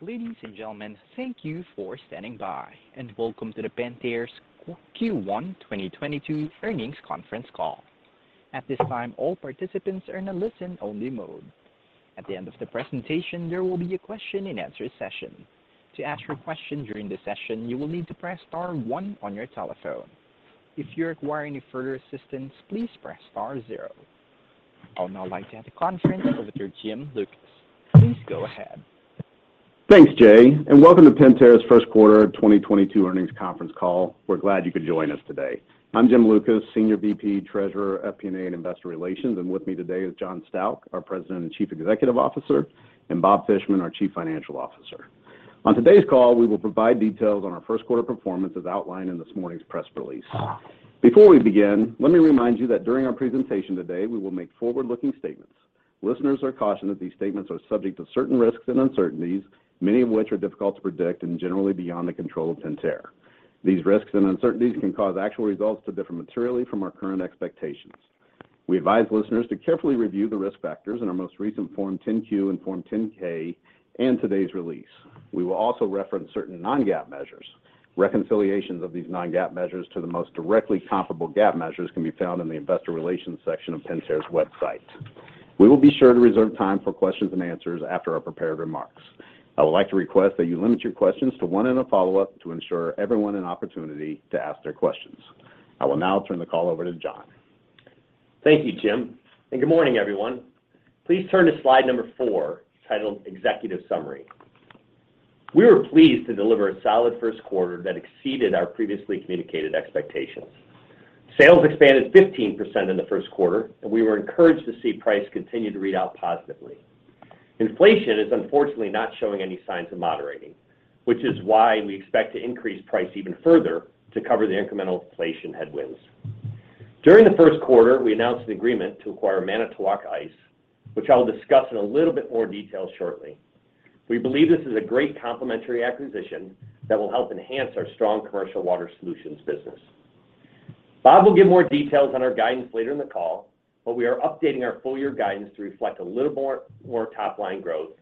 Ladies and gentlemen, thank you for standing by, and welcome to Pentair's Q1 2022 earnings conference call. At this time, all participants are in a listen-only mode. At the end of the presentation, there will be a question and answer session. To ask your question during the session, you will need to press star one on your telephone. If you require any further assistance, please press star zero. I would now like to hand the conference over to Jim Lucas. Please go ahead. Thanks, Jay, and welcome to Pentair's first quarter 2022 earnings conference call. We're glad you could join us today. I'm Jim Lucas, Senior VP, Treasurer, FP&A and Investor Relations, and with me today is John Stauch, our President and Chief Executive Officer, and Bob Fishman, our Chief Financial Officer. On today's call, we will provide details on our first quarter performance as outlined in this morning's press release. Before we begin, let me remind you that during our presentation today, we will make forward-looking statements. Listeners are cautioned that these statements are subject to certain risks and uncertainties, many of which are difficult to predict and generally beyond the control of Pentair. These risks and uncertainties can cause actual results to differ materially from our current expectations. We advise listeners to carefully review the risk factors in our most recent Form 10-Q and Form 10-K in today's release. We will also reference certain non-GAAP measures. Reconciliations of these non-GAAP measures to the most directly comparable GAAP measures can be found in the Investor Relations section of Pentair's website. We will be sure to reserve time for questions and answers after our prepared remarks. I would like to request that you limit your questions to one and a follow-up to ensure everyone has an opportunity to ask their questions. I will now turn the call over to John. Thank you, Jim, and good morning, everyone. Please turn to slide number four, titled Executive Summary. We were pleased to deliver a solid first quarter that exceeded our previously communicated expectations. Sales expanded 15% in the first quarter, and we were encouraged to see price continue to read out positively. Inflation is unfortunately not showing any signs of moderating, which is why we expect to increase price even further to cover the incremental inflation headwinds. During the first quarter, we announced an agreement to acquire Manitowoc Ice, which I will discuss in a little bit more detail shortly. We believe this is a great complementary acquisition that will help enhance our strong Commercial Water Solutions business. Bob will give more details on our guidance later in the call, but we are updating our full year guidance to reflect a little more top-line growth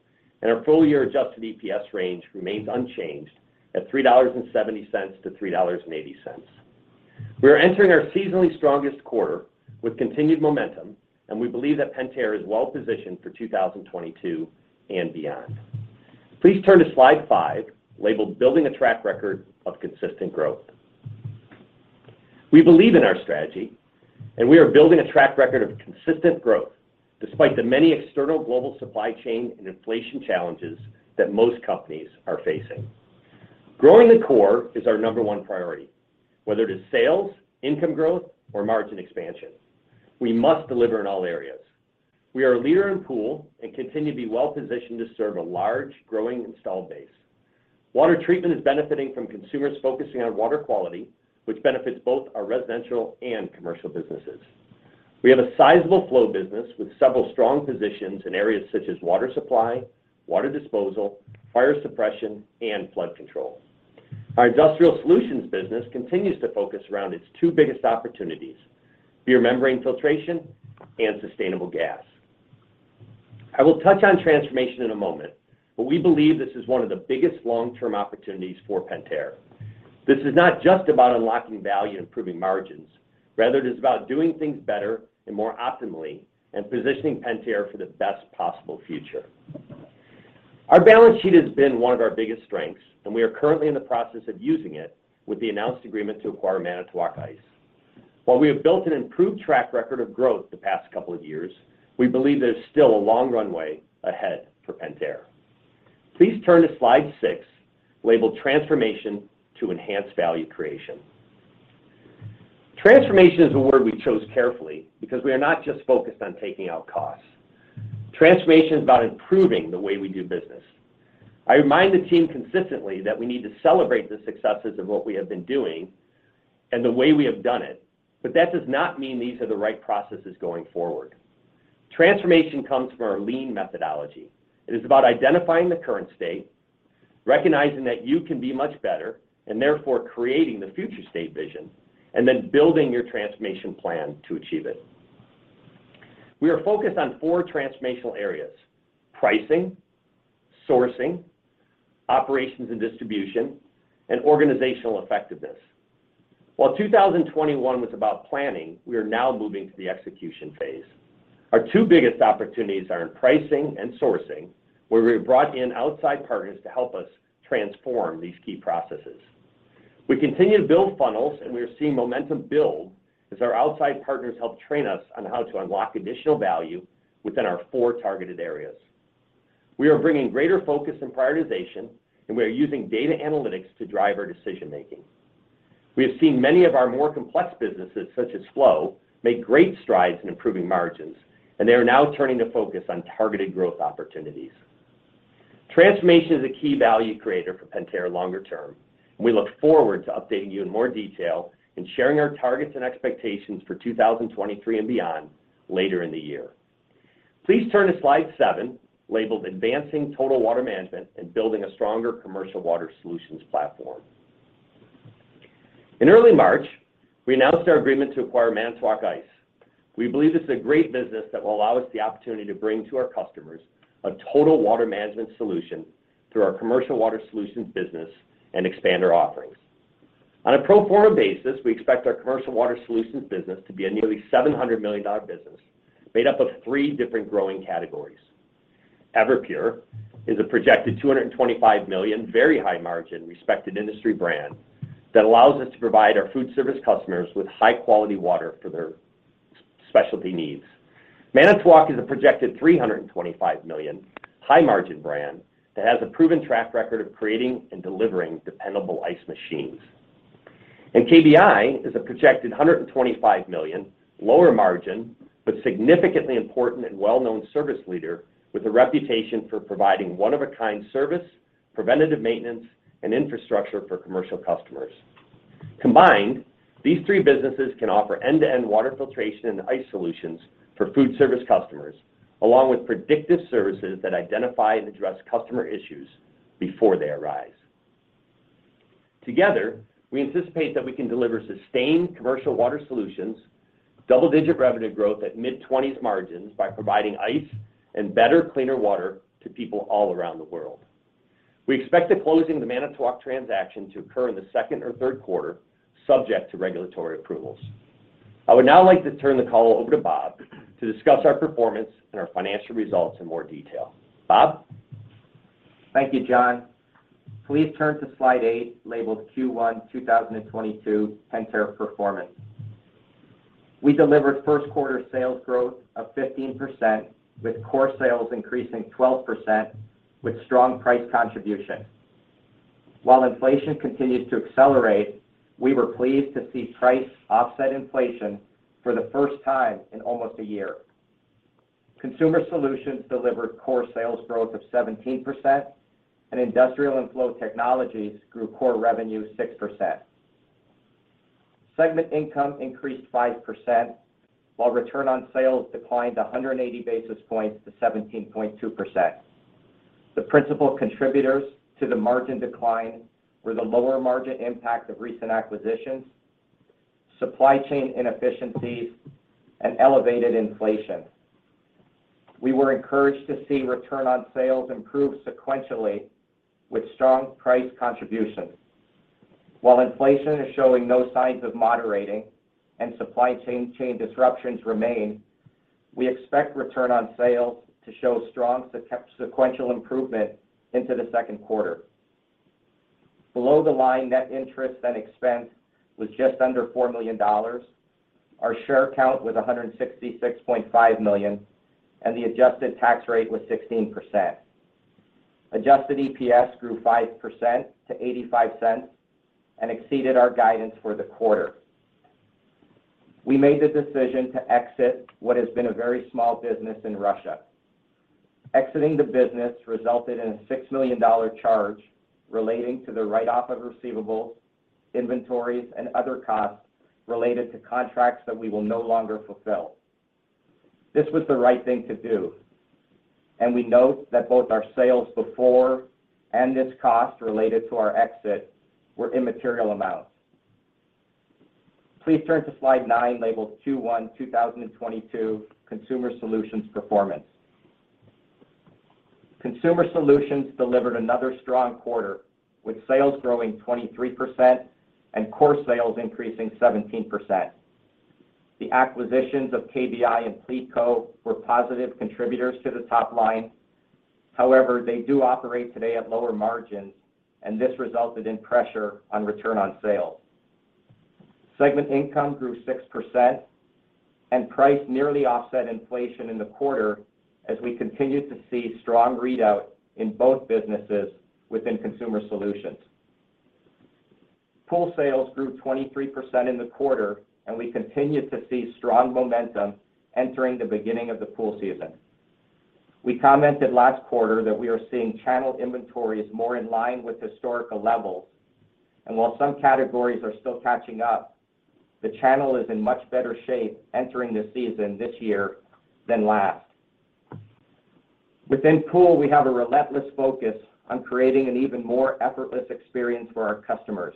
and our full year adjusted EPS range remains unchanged at $3.70-$3.80. We are entering our seasonally strongest quarter with continued momentum, and we believe that Pentair is well positioned for 2022 and beyond. Please turn to slide five, labeled Building a Track Record of Consistent Growth. We believe in our strategy, and we are building a track record of consistent growth despite the many external global supply chain and inflation challenges that most companies are facing. Growing the core is our number one priority, whether it is sales, income growth, or margin expansion. We must deliver in all areas. We are a leader in pool and continue to be well-positioned to serve a large, growing installed base. Water treatment is benefiting from consumers focusing on water quality, which benefits both our residential and commercial businesses. We have a sizable flow business with several strong positions in areas such as water supply, water disposal, fire suppression, and flood control. Our industrial solutions business continues to focus around its two biggest opportunities: beer membrane filtration and sustainable gas. I will touch on transformation in a moment, but we believe this is one of the biggest long-term opportunities for Pentair. This is not just about unlocking value and improving margins. Rather, it is about doing things better and more optimally and positioning Pentair for the best possible future. Our balance sheet has been one of our biggest strengths, and we are currently in the process of using it with the announced agreement to acquire Manitowoc Ice. While we have built an improved track record of growth the past couple of years, we believe there is still a long runway ahead for Pentair. Please turn to slide six, labeled Transformation to Enhance Value Creation. Transformation is a word we chose carefully because we are not just focused on taking out costs. Transformation is about improving the way we do business. I remind the team consistently that we need to celebrate the successes of what we have been doing and the way we have done it, but that does not mean these are the right processes going forward. Transformation comes from our lean methodology. It is about identifying the current state, recognizing that you can be much better, and therefore creating the future state vision, and then building your transformation plan to achieve it. We are focused on four transformational areas, pricing, sourcing, operations and distribution, and organizational effectiveness. While 2021 was about planning, we are now moving to the execution phase. Our two biggest opportunities are in pricing and sourcing, where we have brought in outside partners to help us transform these key processes. We continue to build funnels, and we are seeing momentum build as our outside partners help train us on how to unlock additional value within our four targeted areas. We are bringing greater focus and prioritization, and we are using data analytics to drive our decision making. We have seen many of our more complex businesses, such as Flow, make great strides in improving margins, and they are now turning to focus on targeted growth opportunities. Transformation is a key value creator for Pentair longer term. We look forward to updating you in more detail and sharing our targets and expectations for 2023 and beyond later in the year. Please turn to slide seven, labeled Advancing Total Water Management and Building a Stronger Commercial Water Solutions Platform. In early March, we announced our agreement to acquire Manitowoc Ice. We believe this is a great business that will allow us the opportunity to bring to our customers a total water management solution through our Commercial Water Solutions business and expand our offerings. On a pro forma basis, we expect our Commercial Water Solutions business to be a nearly $700 million business made up of three different growing categories. Everpure is a projected $225 million, very high margin, respected industry brand that allows us to provide our food service customers with high-quality water for their specialty needs. Manitowoc is a projected $325 million, high margin brand that has a proven track record of creating and delivering dependable ice machines. And KBI is a projected $125 million, lower margin, but significantly important and well-known service leader with a reputation for providing one-of-a-kind service, preventative maintenance, and infrastructure for commercial customers. Combined, these three businesses can offer end-to-end water filtration and ice solutions for food service customers, along with predictive services that identify and address customer issues before they arise. Together, we anticipate that we can deliver sustained Commercial Water Solutions, double-digit revenue growth at mid-20s margins by providing ice and better, cleaner water to people all around the world. We expect the closing of the Manitowoc transaction to occur in the second or third quarter, subject to regulatory approvals. I would now like to turn the call over to Bob to discuss our performance and our financial results in more detail. Bob? Thank you, John. Please turn to slide eight, labeled Q1 2022 Pentair performance. We delivered first quarter sales growth of 15%, with core sales increasing 12% with strong price contribution. While inflation continues to accelerate, we were pleased to see price offset inflation for the first time in almost a year. Consumer Solutions delivered core sales growth of 17%, and Industrial and Flow Technologies grew core revenue 6%. Segment income increased 5%, while return on sales declined 180 basis points to 17.2%. The principal contributors to the margin decline were the lower margin impact of recent acquisitions, supply chain inefficiencies, and elevated inflation. We were encouraged to see return on sales improve sequentially with strong price contribution. While inflation is showing no signs of moderating and supply chain disruptions remain, we expect return on sales to show strong sequential improvement into the second quarter. Below the line net interest and expense was just under $4 million. Our share count was 166.5 million, and the adjusted tax rate was 16%. Adjusted EPS grew 5% to $0.85 and exceeded our guidance for the quarter. We made the decision to exit what has been a very small business in Russia. Exiting the business resulted in a $6 million charge relating to the write-off of receivables, inventories, and other costs related to contracts that we will no longer fulfill. This was the right thing to do, and we note that both our sales before and this cost related to our exit were immaterial amounts. Please turn to slide nine, labeled 2022 Consumer Solutions performance. Consumer Solutions delivered another strong quarter with sales growing 23% and core sales increasing 17%. The acquisitions of KBI and Pleatco were positive contributors to the top line. However, they do operate today at lower margins, and this resulted in pressure on return on sales. Segment income grew 6% and price nearly offset inflation in the quarter as we continued to see strong readout in both businesses within Consumer Solutions. Pool sales grew 23% in the quarter, and we continued to see strong momentum entering the beginning of the pool season. We commented last quarter that we are seeing channel inventories more in line with historical levels, and while some categories are still catching up, the channel is in much better shape entering the season this year than last. Within Pool, we have a relentless focus on creating an even more effortless experience for our customers.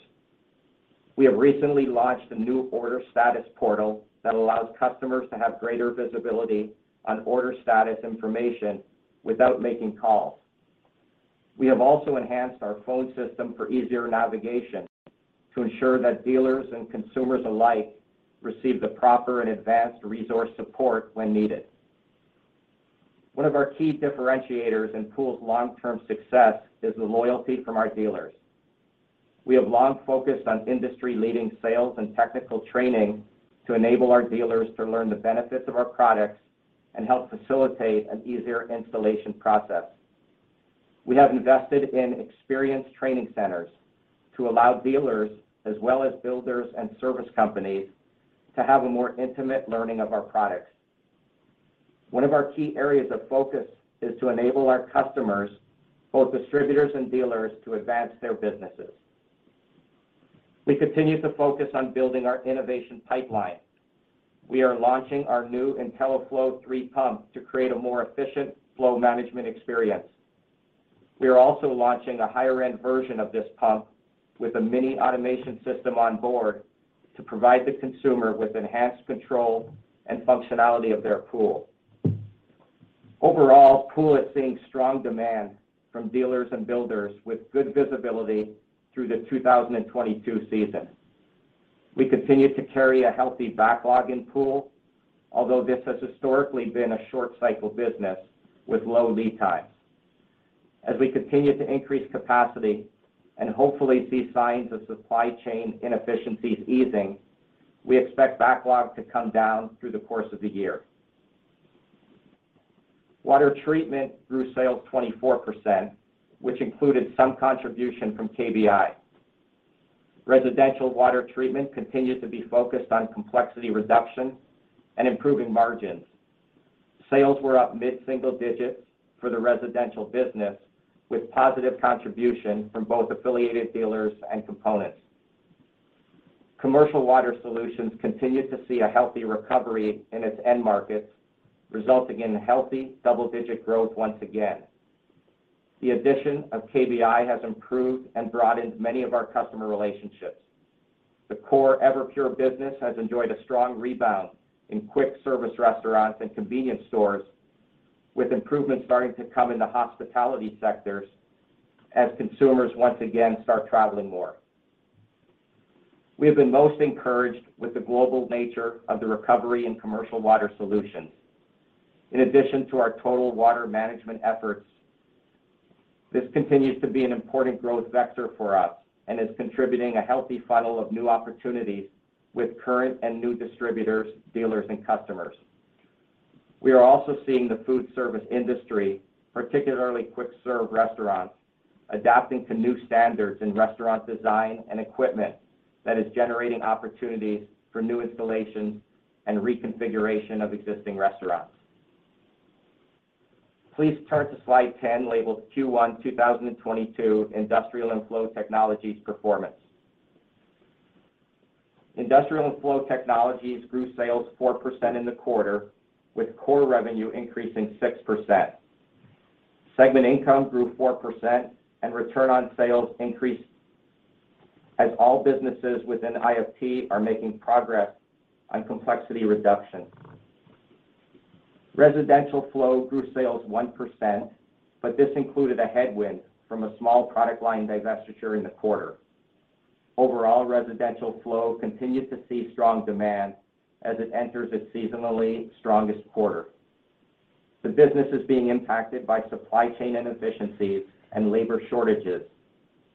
We have recently launched a new order status portal that allows customers to have greater visibility on order status information without making calls. We have also enhanced our phone system for easier navigation to ensure that dealers and consumers alike receive the proper and advanced resource support when needed. One of our key differentiators in Pool's long-term success is the loyalty from our dealers. We have long focused on industry-leading sales and technical training to enable our dealers to learn the benefits of our products and help facilitate an easier installation process. We have invested in experienced training centers to allow dealers as well as builders and service companies to have a more intimate learning of our products. One of our key areas of focus is to enable our customers, both distributors and dealers, to advance their businesses. We continue to focus on building our innovation pipeline. We are launching our new IntelliFlo3 pump to create a more efficient flow management experience. We are also launching a higher-end version of this pump with a mini automation system on board to provide the consumer with enhanced control and functionality of their pool. Overall, Pool is seeing strong demand from dealers and builders with good visibility through the 2022 season. We continue to carry a healthy backlog in Pool, although this has historically been a short cycle business with low lead times. As we continue to increase capacity and hopefully see signs of supply chain inefficiencies easing, we expect backlog to come down through the course of the year. Water treatment grew sales 24%, which included some contribution from KBI. Residential water treatment continued to be focused on complexity reduction and improving margins. Sales were up mid-single digits for the residential business, with positive contribution from both affiliated dealers and components. Commercial Water Solutions continued to see a healthy recovery in its end markets, resulting in healthy double-digit growth once again. The addition of KBI has improved and broadened many of our customer relationships. The core Everpure business has enjoyed a strong rebound in quick service restaurants and convenience stores, with improvements starting to come in the hospitality sectors as consumers once again start traveling more. We have been most encouraged with the global nature of the recovery in Commercial Water Solutions. In addition to our total water management efforts, this continues to be an important growth vector for us and is contributing a healthy funnel of new opportunities with current and new distributors, dealers, and customers. We are also seeing the food service industry, particularly quick serve restaurants, adapting to new standards in restaurant design and equipment that is generating opportunities for new installations and reconfiguration of existing restaurants. Please turn to slide 10 labeled Q1 2022 Industrial and Flow Technologies Performance. Industrial and Flow Technologies grew sales 4% in the quarter, with core revenue increasing 6%. Segment income grew 4% and return on sales increased as all businesses within IFT are making progress on complexity reduction. Residential flow grew sales 1%, but this included a headwind from a small product line divestiture in the quarter. Overall, Residential Flow continued to see strong demand as it enters its seasonally strongest quarter. The business is being impacted by supply chain inefficiencies and labor shortages,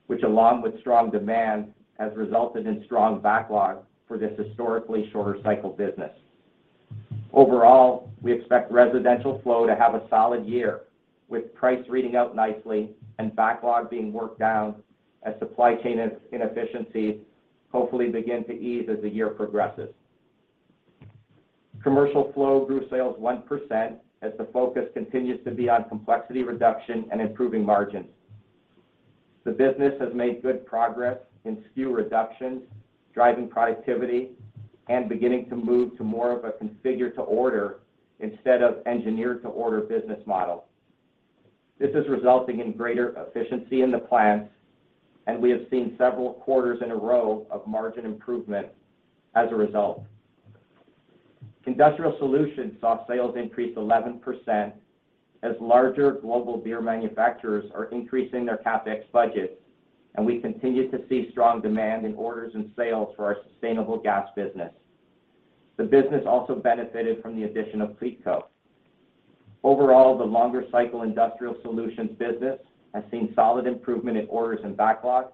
which along with strong demand, has resulted in strong backlog for this historically shorter cycle business. Overall, we expect Residential Flow to have a solid year with price reading out nicely and backlog being worked down as supply chain inefficiencies hopefully begin to ease as the year progresses. Commercial Flow grew sales 1% as the focus continues to be on complexity reduction and improving margins. The business has made good progress in SKU reductions, driving productivity, and beginning to move to more of a configure-to-order instead of engineer-to-order business model. This is resulting in greater efficiency in the plants, and we have seen several quarters in a row of margin improvement as a result. Industrial solutions saw sales increase 11% as larger global beer manufacturers are increasing their CapEx budgets, and we continue to see strong demand in orders and sales for our sustainable gas business. The business also benefited from the addition of Pleatco. Overall, the longer cycle industrial solutions business has seen solid improvement in orders and backlogs,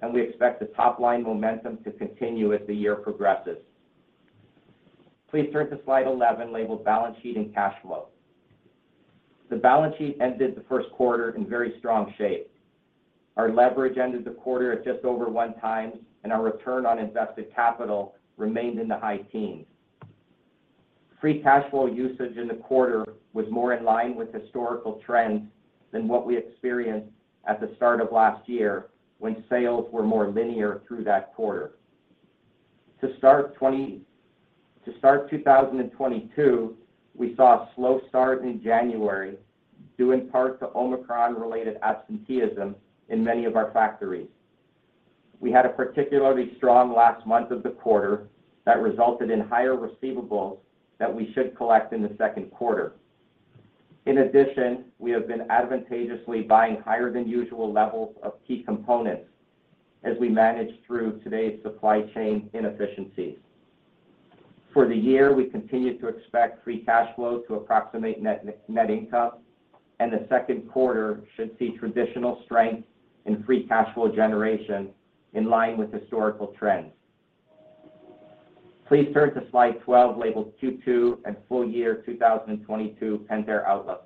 and we expect the top-line momentum to continue as the year progresses. Please turn to slide 11, labeled Balance Sheet and Cash Flow. The balance sheet ended the first quarter in very strong shape. Our leverage ended the quarter at just over 1x, and our return on invested capital remained in the high teens. Free cash flow usage in the quarter was more in line with historical trends than what we experienced at the start of last year when sales were more linear through that quarter. To start 2022, we saw a slow start in January, due in part to Omicron-related absenteeism in many of our factories. We had a particularly strong last month of the quarter that resulted in higher receivables that we should collect in the second quarter. In addition, we have been advantageously buying higher than usual levels of key components as we manage through today's supply chain inefficiencies. For the year, we continue to expect free cash flow to approximate net income, and the second quarter should see traditional strength in free cash flow generation in line with historical trends. Please turn to slide 12, labeled Q2 and Full Year 2022 Pentair Outlook.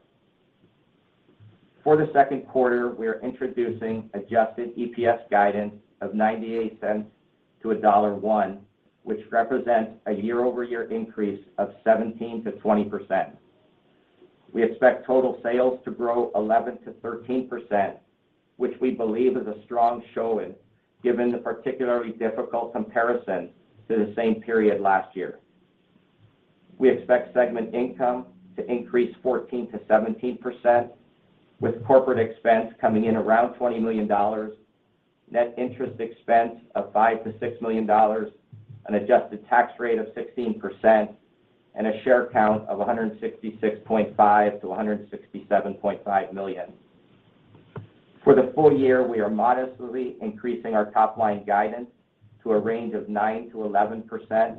For the second quarter, we are introducing adjusted EPS guidance of $0.98-$1.01, which represents a year-over-year increase of 17%-20%. We expect total sales to grow 11%-13%, which we believe is a strong showing given the particularly difficult comparison to the same period last year. We expect segment income to increase 14%-17% with corporate expense coming in around $20 million, net interest expense of $5 million-$6 million, an adjusted tax rate of 16%, and a share count of 166.5 million-167.5 million. For the full year, we are modestly increasing our top line guidance to a range of 9%-11%,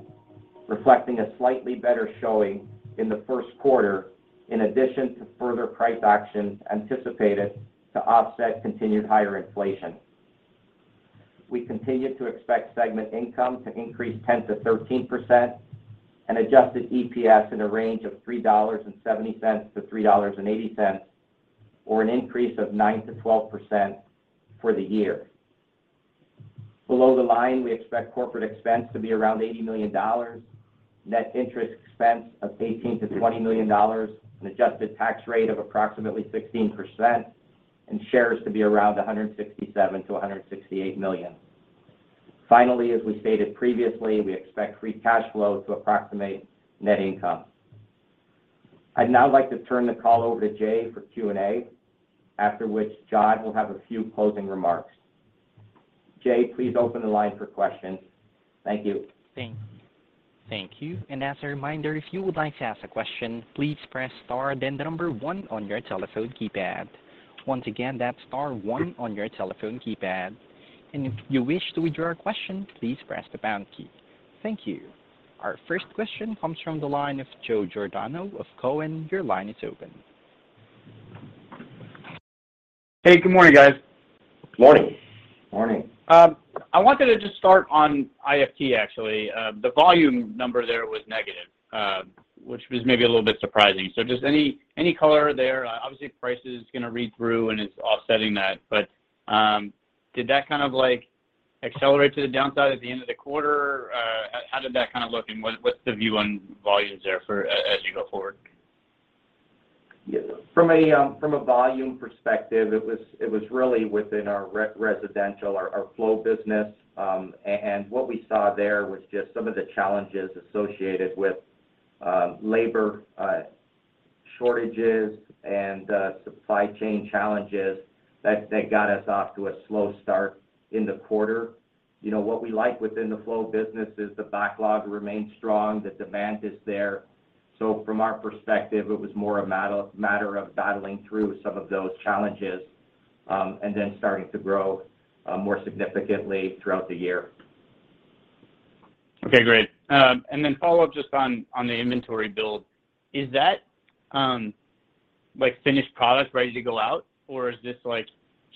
reflecting a slightly better showing in the first quarter in addition to further price action anticipated to offset continued higher inflation. We continue to expect segment income to increase 10%-13% and adjusted EPS in a range of $3.70-$3.80 or an increase of 9%-12% for the year. Below the line, we expect corporate expense to be around $80 million, net interest expense of $18 million-$20 million, an adjusted tax rate of approximately 16%, and shares to be around 167 million-168 million. Finally, as we stated previously, we expect free cash flow to approximate net income. I'd now like to turn the call over to Jay for Q&A, after which John will have a few closing remarks. Jay, please open the line for questions. Thank you. Thank you. Thank you. And as a reminder, if you would like to ask a question, please press star then one on your telephone keypad. Once again, that's star one on your telephone keypad. If you wish to withdraw a question, please press the pound key. Thank you. Our first question comes from the line of Joe Giordano of Cowen. Your line is open. Hey, good morning, guys. Good morning. Good morning. I wanted to just start on IFT, actually. The volume number there was negative, which was maybe a little bit surprising. Just any color there, obviously price is gonna read through and it's offsetting that, but did that kind of like accelerate to the downside at the end of the quarter? How did that kind of look, and what's the view on volumes there for as you go forward? From a volume perspective, it was really within our residential, our flow business. And what we saw there was just some of the challenges associated with labor shortages and supply chain challenges that got us off to a slow start in the quarter. You know, what we like within the flow business is the backlog remains strong, the demand is there. So from our perspective, it was more a matter of battling through some of those challenges, and then starting to grow more significantly throughout the year. Okay, great. And a follow up just on the inventory build. Is that like finished product ready to go out or is this like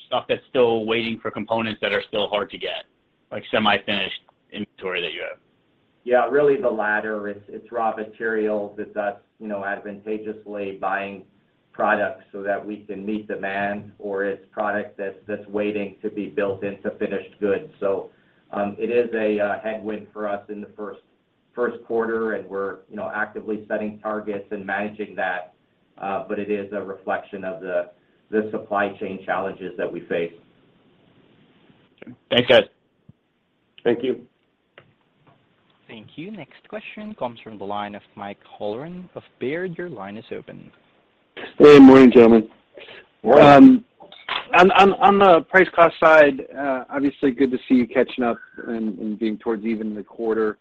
stuff that's still waiting for components that are still hard to get, like semi-finished inventory that you have? Yeah. Really the latter. It's raw material that's you know, advantageously buying products so that we can meet demand or it's product that's waiting to be built into finished goods. So it is a headwind for us in the first quarter, and we're you know, actively setting targets and managing that, but it is a reflection of the supply chain challenges that we face. Okay. Thanks, guys. Thank you. Thank you. Next question comes from the line of Mike Halloran of Baird. Your line is open. Hey, good morning, gentlemen. On the price cost side, obviously good to see you catching up and being towards even in the quarter.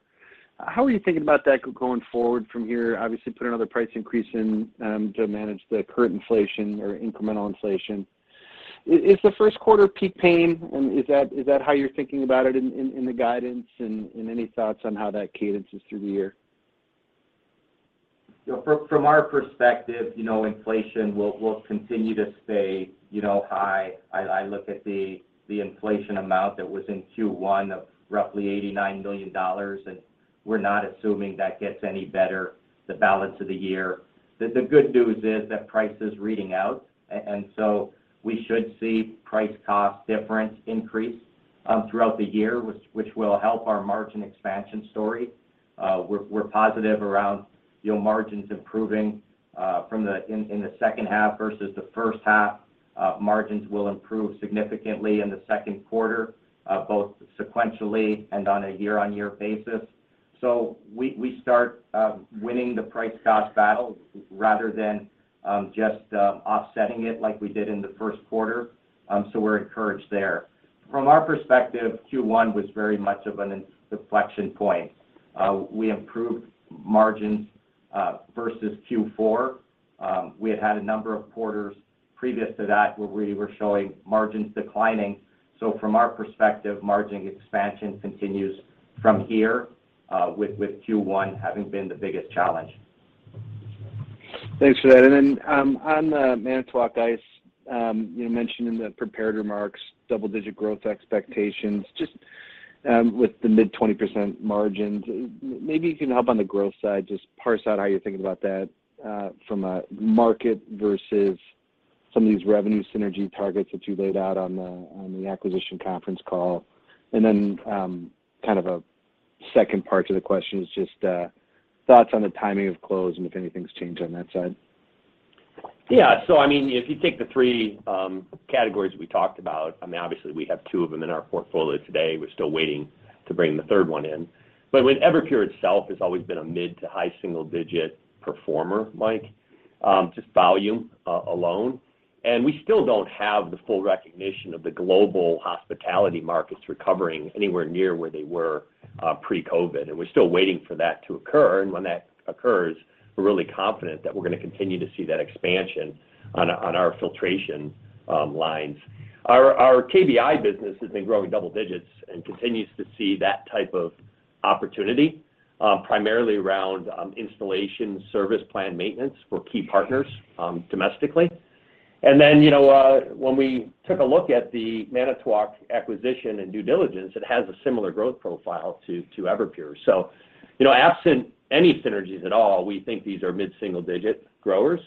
How are you thinking about that going forward from here? Obviously, put another price increase in to manage the current inflation or incremental inflation. Is the first quarter peak pain, and is that how you're thinking about it in the guidance, and any thoughts on how that cadences through the year? You know, from our perspective, you know, inflation will continue to stay, you know, high. I look at the inflation amount that was in Q1 of roughly $89 million, and we're not assuming that gets any better the balance of the year. The good news is that price is reading out, and so we should see price cost difference increase throughout the year, which will help our margin expansion story. We're positive around, you know, margins improving in the second half versus the first half. Margins will improve significantly in the second quarter both sequentially and on a year-on-year basis. So we start winning the price cost battle rather than just offsetting it like we did in the first quarter. And so we're encouraged there. From our perspective, Q1 was very much of an inflection point. We improved margins versus Q4. We had a number of quarters previous to that where we were showing margins declining. So from our perspective, margin expansion continues from here, with Q1 having been the biggest challenge. Thanks for that. And then on the Manitowoc Ice, you mentioned in the prepared remarks, double-digit growth expectations. Just, with the mid-20% margins, maybe you can help on the growth side, just parse out how you're thinking about that, from a market versus some of these revenue synergy targets that you laid out on the acquisition conference call. And then kind of a second part to the question is just, thoughts on the timing of close and if anything's changed on that side. Yeah. So I mean, if you take the three categories we talked about, I mean, obviously we have two of them in our portfolio today. We're still waiting to bring the third one in. But with Everpure itself has always been a mid- to high single-digit performer, Mike, just volume alone. And we still don't have the full recognition of the global hospitality markets recovering anywhere near where they were pre-COVID. We're still waiting for that to occur. When that occurs, we're really confident that we're gonna continue to see that expansion on our filtration lines. Our KBI business has been growing double digits and continues to see that type of opportunity primarily around installation, service, planned maintenance for key partners domestically. And then, you know, when we took a look at the Manitowoc acquisition and due diligence, it has a similar growth profile to Everpure. So you know, absent any synergies at all, we think these are mid-single-digit growers.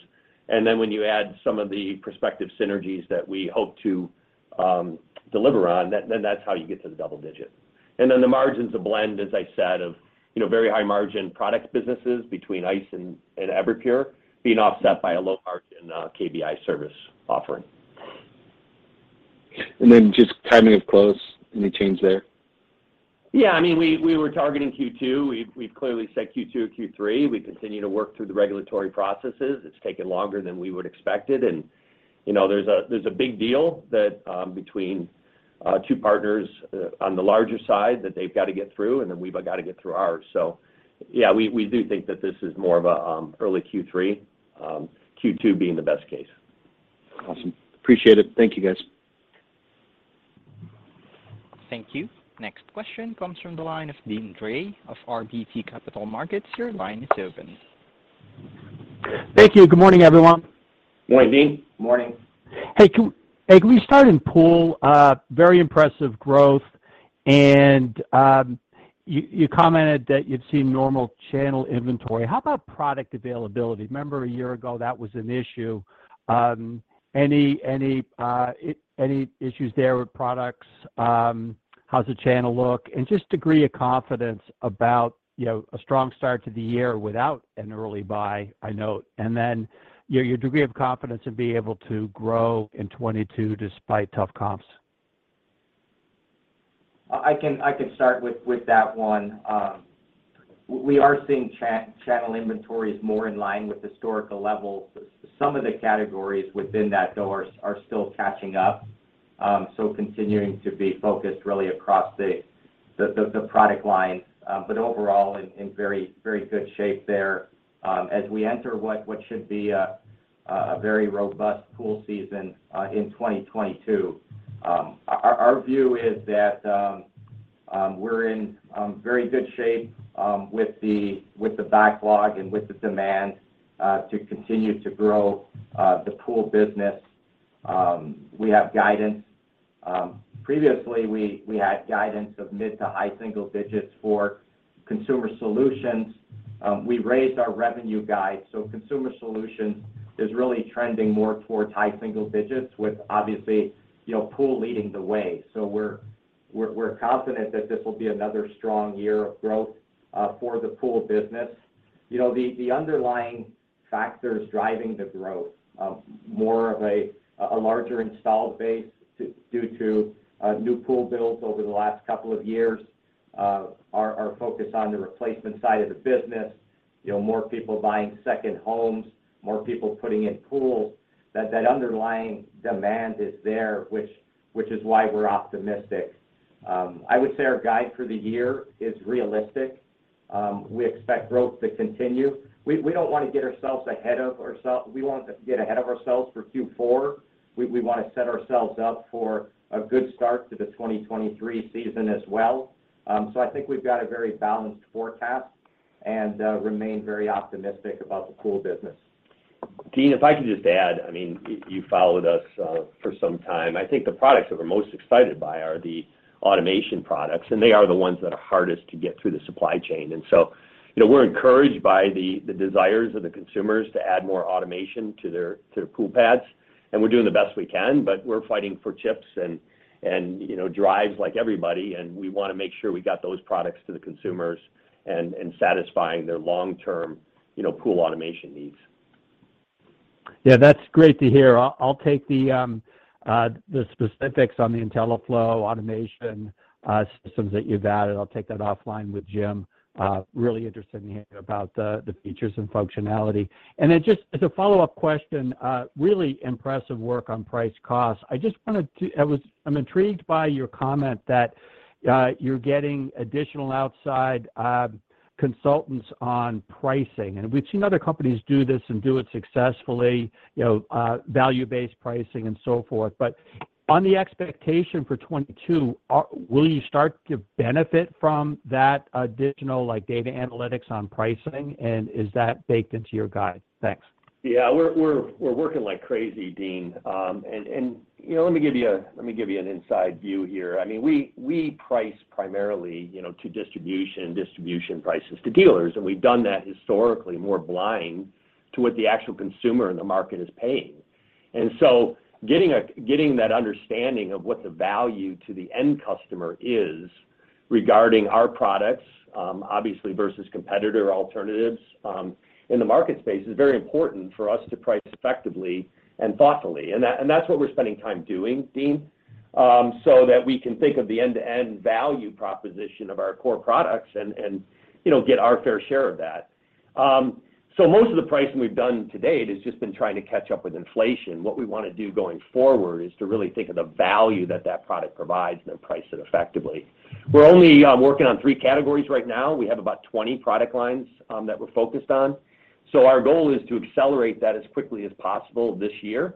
When you add some of the prospective synergies that we hope to deliver on, then that's how you get to the double-digit. And the margin blend, as I said, of very high margin product businesses between Ice and Everpure being offset by a low margin KBI service offering. Just timing of close, any change there? Yeah. I mean, we were targeting Q2. We've clearly said Q2 or Q3. We continue to work through the regulatory processes. It's taken longer than we expected and, you know, there's a big deal between two partners on the larger side that they've got to get through, and then we've got to get through ours. Yeah, we do think that this is more of a early Q3, Q2 being the best case. Awesome. Appreciate it. Thank you, guys. Thank you. Next question comes from the line of Deane Dray of RBC Capital Markets. Your line is open. Thank you. Good morning, everyone. Morning, Deane. Morning. Hey, can we start in pool? Very impressive growth and you commented that you'd seen normal channel inventory. How about product availability? Remember a year ago, that was an issue. Any issues there with products? How's the channel look? Just degree of confidence about, you know, a strong start to the year without an early buy, I note. And then your degree of confidence to be able to grow in 2022 despite tough comps. I can start with that one. We are seeing channel inventories more in line with historical levels. Some of the categories within that though are still catching up, continuing to be focused really across the product lines. Overall in very good shape there. And as we enter what should be a very robust pool season in 2022, our view is that we're in very good shape with the backlog and with the demand to continue to grow the pool business. We have guidance. Previously we had guidance of mid- to high-single digits for Consumer Solutions. We raised our revenue guide, so Consumer Solutions is really trending more towards high single digits with obviously, you know, Pool leading the way. We're confident that this will be another strong year of growth for the Pool business. You know, the underlying factors driving the growth of a larger installed base due to new Pool builds over the last couple of years are focused on the replacement side of the business. You know, more people buying second homes, more people putting in pools, that underlying demand is there, which is why we're optimistic. I would say our guide for the year is realistic. We expect growth to continue. We don't want to get ahead of ourselves for Q4. We wanna set ourselves up for a good start to the 2023 season as well. I think we've got a very balanced forecast and remain very optimistic about the pool business. Deane, if I can just add, I mean, you followed us for some time. I think the products that we're most excited by are the automation products, and they are the ones that are hardest to get through the supply chain. You know, we're encouraged by the desires of the consumers to add more automation to their pool pads. We're doing the best we can, but we're fighting for chips and you know, drives like everybody, and we wanna make sure we got those products to the consumers and satisfying their long-term you know, pool automation needs. Yeah, that's great to hear. I'll take the specifics on the IntelliFlo automation systems that you've added. I'll take that offline with Jim. Really interested in hearing about the features and functionality. And just as a follow-up question, really impressive work on price cost. I'm intrigued by your comment that you're getting additional outside consultants on pricing, and we've seen other companies do this and do it successfully, you know, value-based pricing and so forth. On the expectation for 2022, will you start to benefit from that additional, like, data analytics on pricing? And is that baked into your guide? Thanks. Yeah. We're working like crazy, Deane. You know, let me give you an inside view here. I mean, we price primarily to distribution prices to dealers, and we've done that historically more blind to what the actual consumer in the market is paying. Getting that understanding of what the value to the end customer is regarding our products, obviously versus competitor alternatives in the market space, is very important for us to price effectively and thoughtfully. That's what we're spending time doing, Deane, so that we can think of the end-to-end value proposition of our core products and, you know, get our fair share of that. Most of the pricing we've done to date has just been trying to catch up with inflation. What we wanna do going forward is to really think of the value that that product provides, then price it effectively. We're only working on three categories right now. We have about 20 product lines that we're focused on. Our goal is to accelerate that as quickly as possible this year,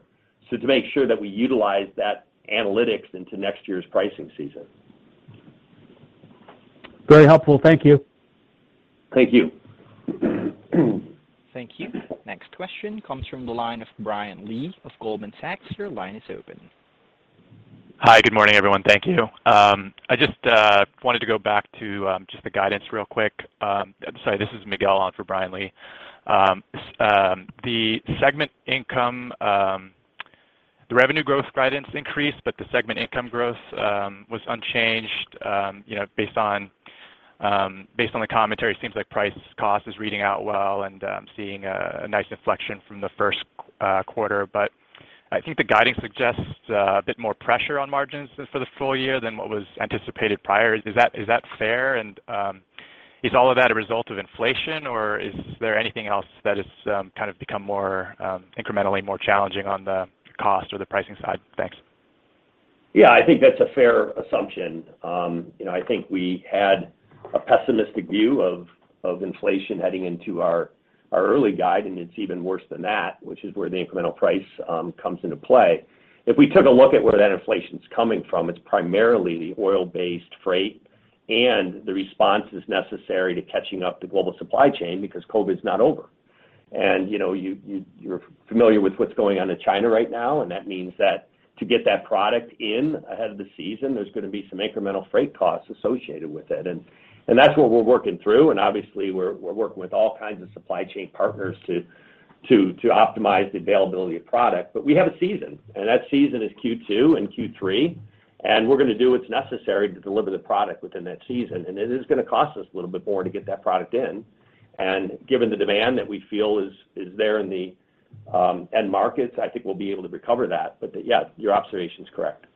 so to make sure that we utilize that analytics into next year's pricing season. Very helpful. Thank you. Thank you. Thank you. Next question comes from the line of Brian Lee of Goldman Sachs. Your line is open. Hi. Good morning, everyone. Thank you. I just wanted to go back to just the guidance real quick. I'm sorry, this is Miguel on for Brian Lee. The segment income, the revenue growth guidance increased, but the segment income growth was unchanged, you know, based on the commentary, seems like price cost is reading out well, and I'm seeing a nice inflection from the first quarter. I think the guidance suggests a bit more pressure on margins for the full year than what was anticipated prior. Is that fair? Is all of that a result of inflation, or is there anything else that has kind of become incrementally more challenging on the cost or the pricing side? Thanks. Yeah. I think that's a fair assumption. You know, I think we had a pessimistic view of inflation heading into our early guide, and it's even worse than that, which is where the incremental price comes into play. If we took a look at where that inflation's coming from, it's primarily the oil-based freight and the responses necessary to catching up the global supply chain because COVID's not over. And you know, you're familiar with what's going on in China right now, and that means that to get that product in ahead of the season, there's gonna be some incremental freight costs associated with it. That's what we're working through, and obviously we're working with all kinds of supply chain partners to optimize the availability of product. We have a season, and that season is Q2 and Q3, and we're gonna do what's necessary to deliver the product within that season. It is gonna cost us a little bit more to get that product in. Given the demand that we feel is there in the end markets, I think we'll be able to recover that. Yeah, your observation is correct.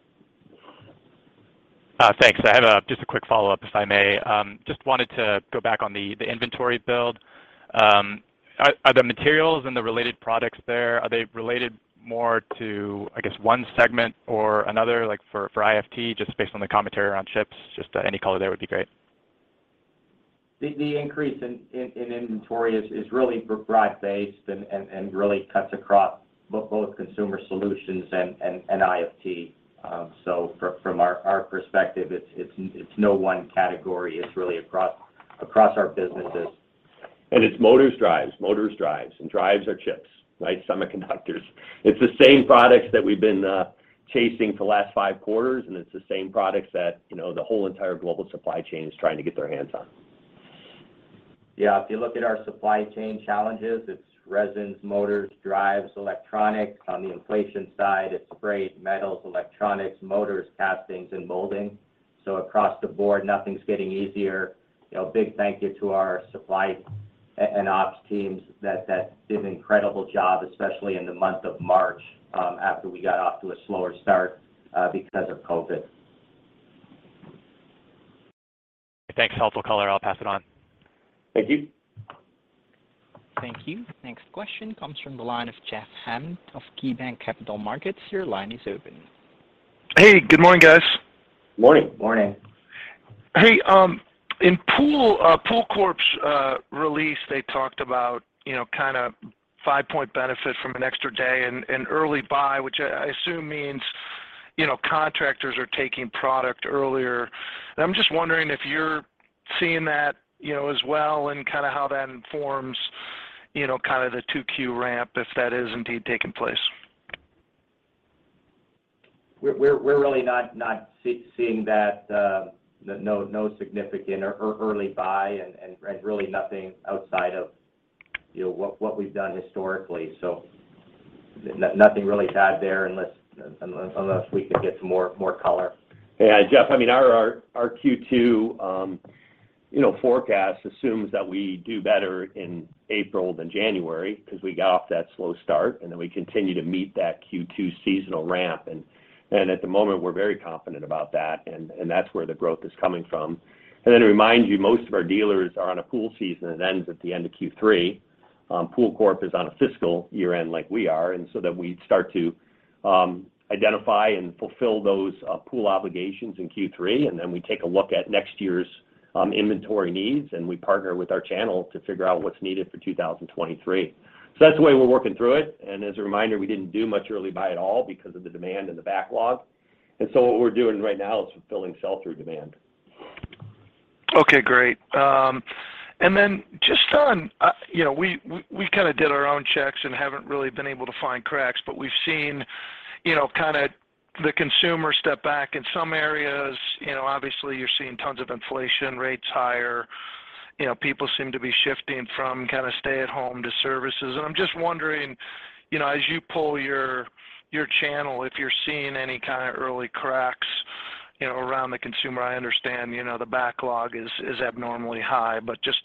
Thanks. I have just a quick follow-up, if I may. Just wanted to go back on the inventory build. Are the materials and the related products there, are they related more to, I guess, one segment or another, like for IFT, just based on the commentary around chips? Just any color there would be great. The increase in inventory is really broad-based and really cuts across both Consumer Solutions and IFT. So from our perspective, it's no one category. It's really across our businesses. It's motors and drives, and drives are chips, right? Semiconductors. It's the same products that we've been chasing for the last five quarters, and it's the same products that, you know, the whole entire global supply chain is trying to get their hands on. Yeah. If you look at our supply chain challenges, it's resins, motors, drives, electronics. On the inflation side, it's freight, metals, electronics, motors, castings, and molding. Across the board, nothing's getting easier. You know, big thank you to our supply and ops teams that did an incredible job, especially in the month of March, after we got off to a slower start, because of COVID. Thanks. Helpful color. I'll pass it on. Thank you. Thank you. Next question comes from the line of Jeff Hammond of KeyBanc Capital Markets. Your line is open. Hey, good morning, guys. Morning. Morning. Hey, in PoolCorp's release, they talked about, you know, kinda five-point benefit from an extra day and early buy, which I assume means, you know, contractors are taking product earlier. I'm just wondering if you're seeing that, you know, as well and kinda how that informs, you know, kinda the 2Q ramp, if that is indeed taking place. We're really not seeing that, no significant or early buy and really nothing outside of, you know, what we've done historically. So nothing really to add there unless we could get some more color. Yeah. Jeff, I mean, our Q2 forecast assumes that we do better in April than January 'cause we got off to that slow start, and then we continue to meet that Q2 seasonal ramp. At the moment, we're very confident about that, and that's where the growth is coming from. Then to remind you, most of our dealers are on a pool season that ends at the end of Q3. PoolCorp is on a fiscal year-end like we are, and so then we start to identify and fulfill those pool obligations in Q3, and then we take a look at next year's inventory needs, and we partner with our channel to figure out what's needed for 2023. That's the way we're working through it. As a reminder, we didn't do much early buy at all because of the demand and the backlog. And so what we're doing right now is fulfilling sell-through demand. Okay, great. Just on, you know, we kinda did our own checks and haven't really been able to find cracks, but we've seen. You know, kind of the consumer stepping back in some areas, you know, obviously, you're seeing tons of inflation, rates higher. You know, people seem to be shifting from kind of stay at home to services. I'm just wondering, you know, as you poll your channel, if you're seeing any kind of early cracks, you know, around the consumer. I understand, you know, the backlog is abnormally high, but just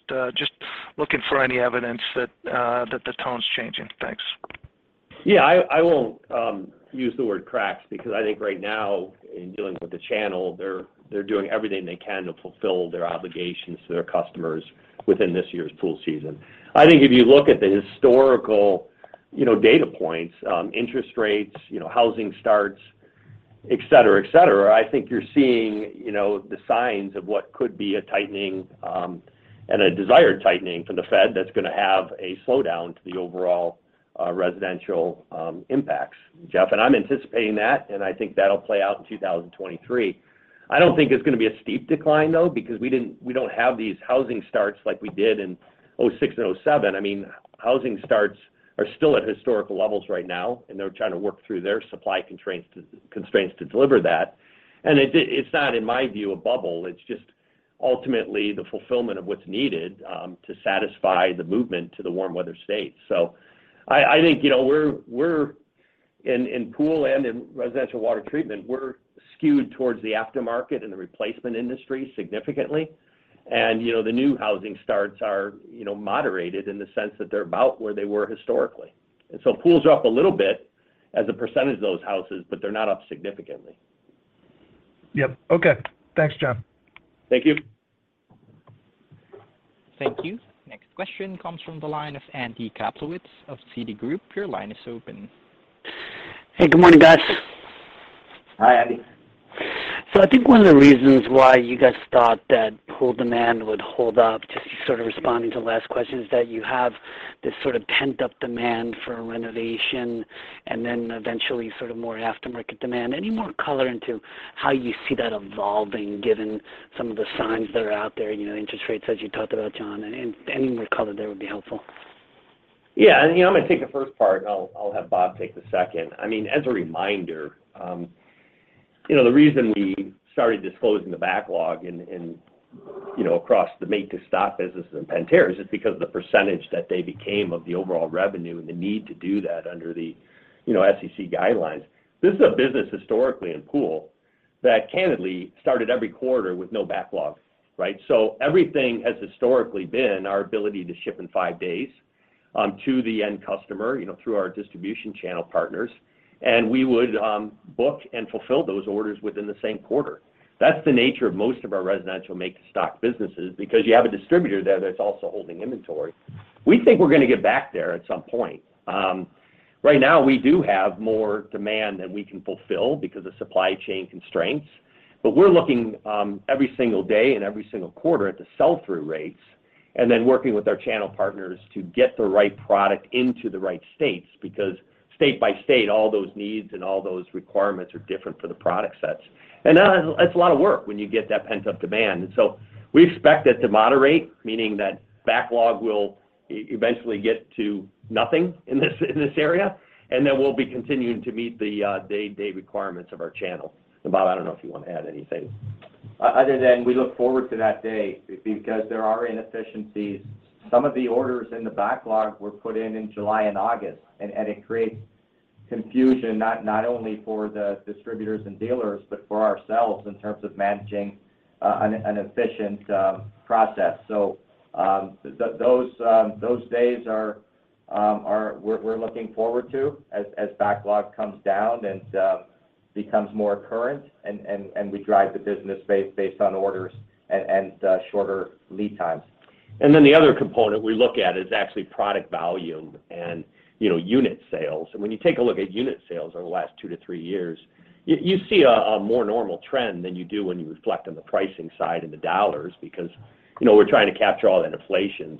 looking for any evidence that the tone's changing. Thanks. Yeah. I won't use the word cracks because I think right now in dealing with the channel, they're doing everything they can to fulfill their obligations to their customers within this year's pool season. I think if you look at the historical data points, you know, interest rates, you know, housing starts, et cetera, I think you're seeing the signs of what could be a tightening and a desired tightening from the Fed that's gonna have a slowdown to the overall residential impacts, Jeff, and I'm anticipating that, and I think that'll play out in 2023. I don't think it's gonna be a steep decline though, because we don't have these housing starts like we did in 2006 and 2007. I mean, housing starts are still at historical levels right now, and they're trying to work through their supply constraints to deliver that. It's not, in my view, a bubble. It's just ultimately the fulfillment of what's needed to satisfy the movement to the warm weather states. I think, you know, we're in pool and in residential water treatment, we're skewed towards the aftermarket and the replacement industry significantly. You know, the new housing starts are, you know, moderated in the sense that they're about where they were historically. Pools are up a little bit as a percentage of those houses, but they're not up significantly. Yep. Okay. Thanks, John. Thank you. Thank you. Next question comes from the line of Andy Kaplowitz of Citigroup. Your line is open. Hey, good morning, guys. Hi, Andy. So I think one of the reasons why you guys thought that pool demand would hold up, just sort of responding to the last question, is that you have this sort of pent-up demand for renovation and then eventually sort of more aftermarket demand. Any more color into how you see that evolving given some of the signs that are out there, you know, interest rates as you talked about, John? Any more color there would be helpful. Yeah. I'm gonna take the first part, and I'll have Bob take the second. I mean, as a reminder, the reason we started disclosing the backlog across the make to stock businesses in Pentair is just because of the percentage that they became of the overall revenue and the need to do that under the SEC guidelines. This is a business historically in pool that candidly started every quarter with no backlog, right? Everything has historically been our ability to ship in five days to the end customer through our distribution channel partners. And we would book and fulfill those orders within the same quarter. That's the nature of most of our residential make to stock businesses because you have a distributor there that's also holding inventory. We think we're gonna get back there at some point. Right now, we do have more demand than we can fulfill because of supply chain constraints. But we're looking every single day and every single quarter at the sell-through rates and then working with our channel partners to get the right product into the right states because state by state, all those needs and all those requirements are different for the product sets. And that's a lot of work when you get that pent-up demand. We expect that to moderate, meaning that backlog will eventually get to nothing in this area. And then we'll be continuing to meet the day-to-day requirements of our channel. Bob, I don't know if you want to add anything. Other than we look forward to that day because there are inefficiencies. Some of the orders in the backlog were put in July and August, and it creates confusion not only for the distributors and dealers, but for ourselves in terms of managing an efficient process. So those days are. We're looking forward to as backlog comes down and becomes more current and we drive the business based on orders and shorter lead times. Then the other component we look at is actually product volume and, you know, unit sales. When you take a look at unit sales over the last two to three years, you see a more normal trend than you do when you reflect on the pricing side and the dollars because, you know, we're trying to capture all that inflation.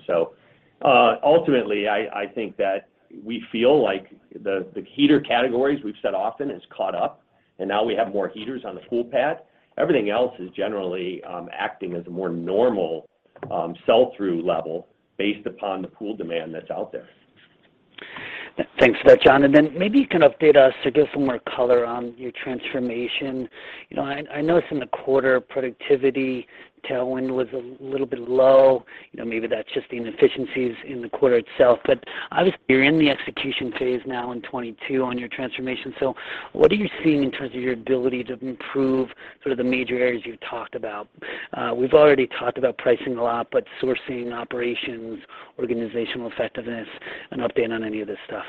Ultimately, I think that we feel like the heater categories we've said often has caught up, and now we have more heaters on the pool pad. Everything else is generally acting as a more normal sell-through level based upon the pool demand that's out there. Thanks for that, John. Maybe you can update us to give some more color on your transformation. You know, I noticed in the quarter productivity tailwind was a little bit low. You know, maybe that's just the inefficiencies in the quarter itself. Obviously, you're in the execution phase now in 2022 on your transformation. What are you seeing in terms of your ability to improve sort of the major areas you've talked about? We've already talked about pricing a lot, but sourcing, operations, organizational effectiveness, an update on any of this stuff.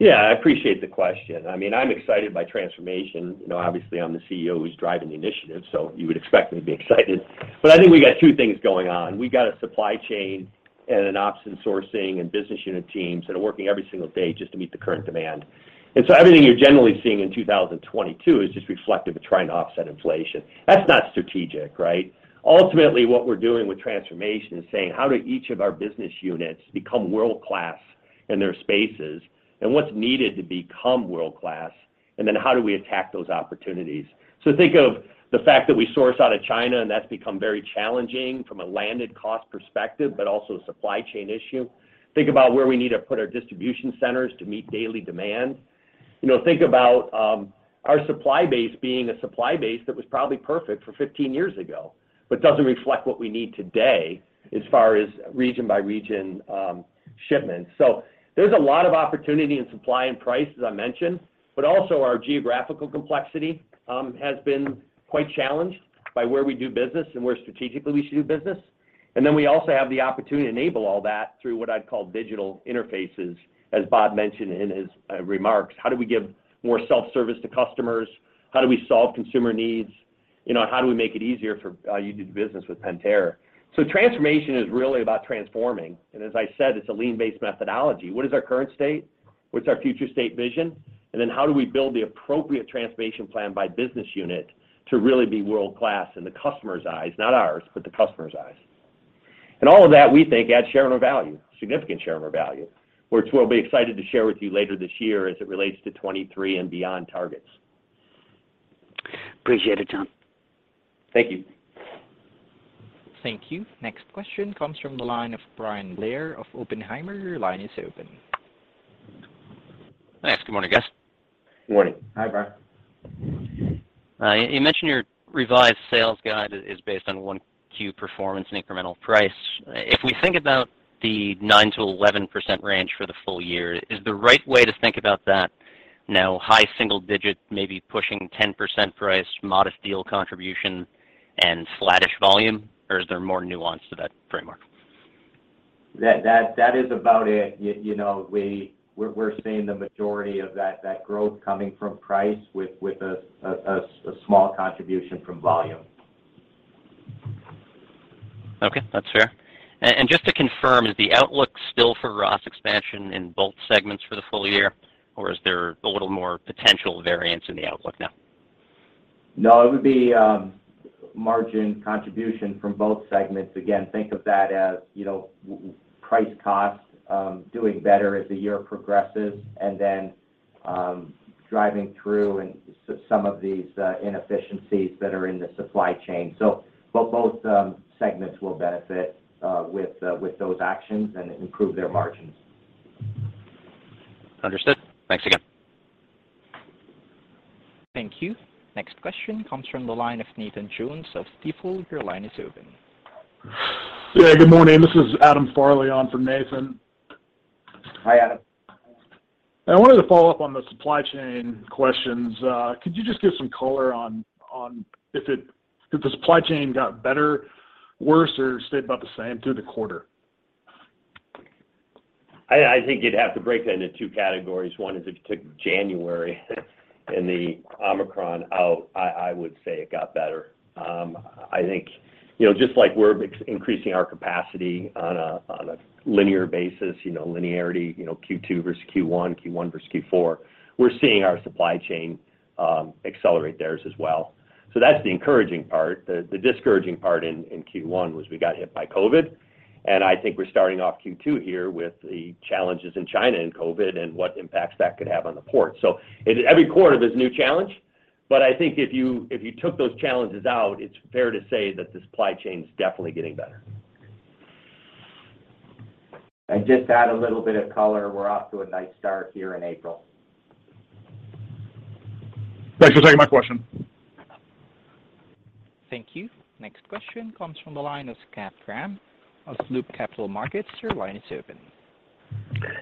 Yeah. I appreciate the question. I mean, I'm excited by transformation. You know, obviously, I'm the CEO who's driving the initiative, so you would expect me to be excited. I think we got two things going on. We got a supply chain and an ops and sourcing and business unit teams that are working every single day just to meet the current demand. Everything you're generally seeing in 2022 is just reflective of trying to offset inflation. That's not strategic, right? Ultimately, what we're doing with transformation is saying, how do each of our business units become world-class in their spaces, and what's needed to become world-class, and then how do we attack those opportunities? So think of the fact that we source out of China, and that's become very challenging from a landed cost perspective, but also a supply chain issue. Think about where we need to put our distribution centers to meet daily demands. You know, think about our supply base being a supply base that was probably perfect for 15 years ago, but doesn't reflect what we need today as far as region by region shipments. So there's a lot of opportunity in supply and price, as I mentioned, but also our geographical complexity has been quite challenged by where we do business and where strategically we should do business. We also have the opportunity to enable all that through what I'd call digital interfaces, as Bob mentioned in his remarks. How do we give more self-service to customers? How do we solve consumer needs? You know, how do we make it easier for you to do business with Pentair? So transformation is really about transforming, and as I said, it's a lean-based methodology. What is our current state? What's our future state vision? Then how do we build the appropriate transformation plan by business unit to really be world-class in the customer's eyes, not ours, but the customer's eyes. All of that, we think, adds shareholder value, significant shareholder value, which we'll be excited to share with you later this year as it relates to 2023 and beyond targets. Appreciate it, John. Thank you. Thank you. Next question comes from the line of Bryan Blair of Oppenheimer. Your line is open. Thanks. Good morning, guys. Good morning. Hi, Brian. You mentioned your revised sales guide is based on 1Q performance and incremental price. If we think about the 9%-11% range for the full year, is the right way to think about that now high single digit, maybe pushing 10% price, modest deal contribution and flattish volume, or is there more nuance to that framework? That is about it. You know, we're seeing the majority of that growth coming from price with a small contribution from volume. Okay, that's fair. Just to confirm, is the outlook still for ROS expansion in both segments for the full year, or is there a little more potential variance in the outlook now? No, it would be margin contribution from both segments. Again, think of that as, you know, price cost doing better as the year progresses and then driving through in some of these inefficiencies that are in the supply chain. Both segments will benefit with those actions and improve their margins. Understood. Thanks again. Thank you. Next question comes from the line of Nathan Jones of Stifel. Your line is open. Yeah, good morning. This is Adam Farley on for Nathan. Hi, Adam. I wanted to follow up on the supply chain questions. Could you just give some color on if the supply chain got better, worse, or stayed about the same through the quarter? I think you'd have to break that into two categories. One is if you took January and the Omicron out, I would say it got better. I think, you know, just like we're increasing our capacity on a linear basis, you know, linearity, you know, Q2 versus Q1, Q1 versus Q4, we're seeing our supply chain accelerate theirs as well. That's the encouraging part. The discouraging part in Q1 was we got hit by COVID, and I think we're starting off Q2 here with the challenges in China and COVID and what impacts that could have on the port. Every quarter there's a new challenge. I think if you took those challenges out, it's fair to say that the supply chain's definitely getting better. Just to add a little bit of color, we're off to a nice start here in April. Thanks for taking my question. Thank you. Next question comes from the line of Scott Graham of Loop Capital Markets. Your line is open.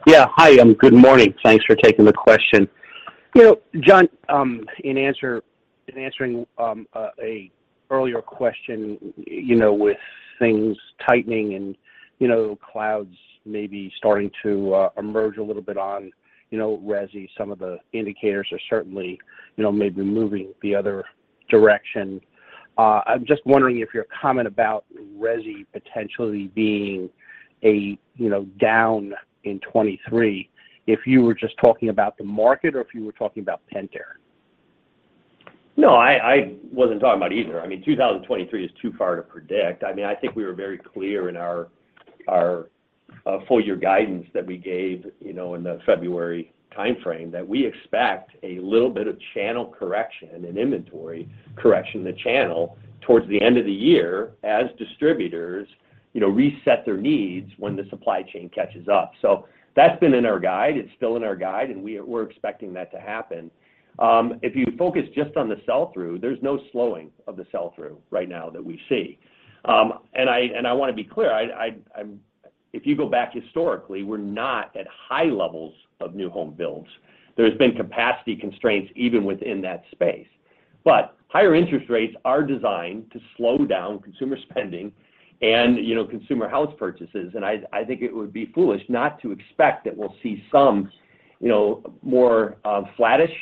Yeah. Hi, good morning. Thanks for taking the question. You know, John, in answering an earlier question, you know, with things tightening and, you know, clouds maybe starting to emerge a little bit on, you know, resi, some of the indicators are certainly, you know, maybe moving the other direction. I'm just wondering if your comment about resi potentially being a, you know, down in 2023, if you were just talking about the market or if you were talking about Pentair? No, I wasn't talking about either. I mean, 2023 is too far to predict. I mean, I think we were very clear in our full year guidance that we gave, you know, in the February timeframe that we expect a little bit of channel correction and inventory correction in the channel towards the end of the year as distributors, you know, reset their needs when the supply chain catches up. So that's been in our guide. It's still in our guide, and we're expecting that to happen. If you focus just on the sell-through, there's no slowing of the sell-through right now that we see. I wanna be clear, if you go back historically, we're not at high levels of new home builds. There's been capacity constraints even within that space. Higher interest rates are designed to slow down consumer spending and, you know, consumer housing purchases, and I think it would be foolish not to expect that we'll see some, you know, more, flattish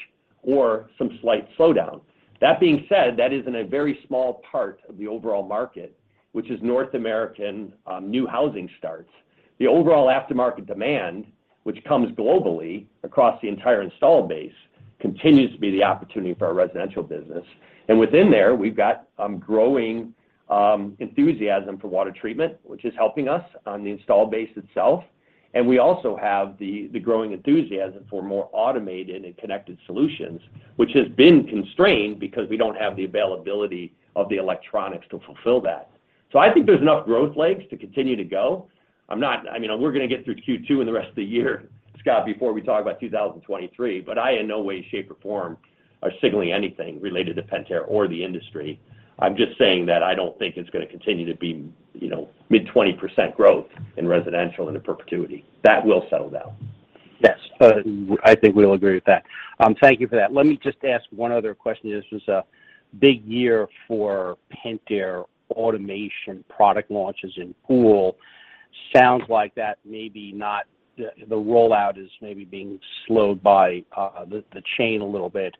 or some slight slowdown. That being said, that is in a very small part of the overall market, which is North American new housing starts. The overall aftermarket demand, which comes globally across the entire installed base, continues to be the opportunity for our residential business. And within there, we've got growing enthusiasm for water treatment, which is helping us on the installed base itself. And we also have the growing enthusiasm for more automated and connected solutions, which has been constrained because we don't have the availability of the electronics to fulfill that. So I think there's enough growth legs to continue to go. I mean, we're gonna get through Q2 and the rest of the year, Scott, before we talk about 2023. I in no way, shape, or form are signaling anything related to Pentair or the industry. I'm just saying that I don't think it's gonna continue to be, you know, mid-20% growth in residential into perpetuity. That will settle down. Yes. I think we all agree with that. Thank you for that. Let me just ask one other question. This was a big year for Pentair automation product launches in pool. Sounds like that may be not the rollout is maybe being slowed by the supply chain a little bit.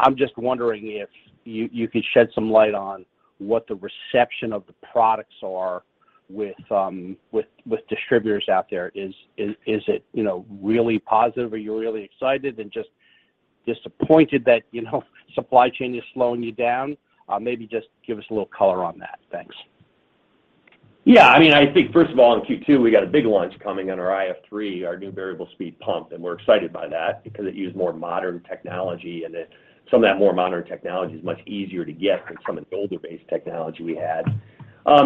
I'm just wondering if you could shed some light on what the reception of the products are with distributors out there. Is it, you know, really positive? Are you really excited and just disappointed that, you know, supply chain is slowing you down? Maybe just give us a little color on that. Thanks. Yeah. I mean, I think first of all in Q2, we got a big launch coming on our IF3, our new variable speed pump, and we're excited by that because it uses more modern technology, and some of that more modern technology is much easier to get than some of the older-based technology we had.